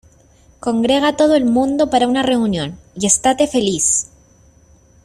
Congrega a todo el mundo para una reunión, y estate feliz.